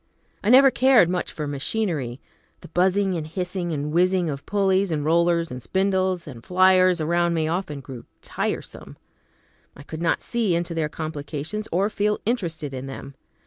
I never cared much for machinery. The buzzing and hissing and whizzing of pulleys and rollers and spindles and flyers around me often grew tiresome. I could not see into their complications, or feel interested in them.